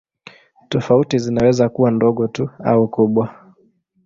Tofauti zinaweza kuwa ndogo tu au kubwa.